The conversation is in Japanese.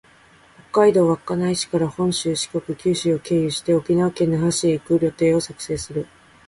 北海道稚内市から本州、四国、九州を経由して、沖縄県那覇市へ行く旅程を作成する